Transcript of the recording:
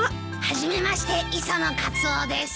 初めまして磯野カツオです。